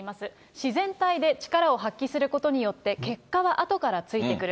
自然体で力を発揮することによって、結果はあとからついてくる。